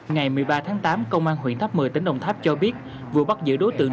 ngày một mươi ba tháng tám công an huyện tháp một mươi tỉnh đồng tháp cho biết vừa bắt giữ đối tượng